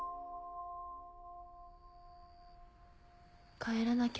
帰らなきゃ。